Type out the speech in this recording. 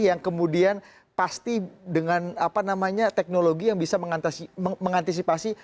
yang kemudian pasti dengan teknologi yang bisa mengantisipasi